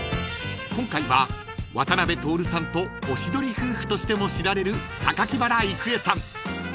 ［今回は渡辺徹さんとおしどり夫婦としても知られる榊原郁恵さん］